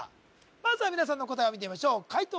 まずは皆さんの答えを見てみましょう解答